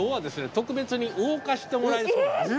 特別に動かしてもらえるそうなんです。